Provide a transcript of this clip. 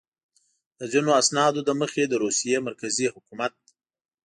د ځینو اسنادو له مخې د روسیې مرکزي حکومت.